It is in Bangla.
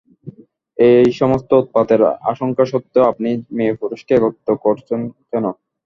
এই সমস্ত উৎপাতের আশঙ্কা সত্ত্বেও আপনি মেয়ে-পুরুষকে একত্র করেছেন কেন?